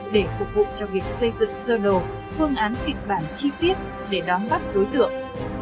để phục vụ cho việc xây dựng sơ đồ phương án kịch bản chi tiết để đón bắt đối tượng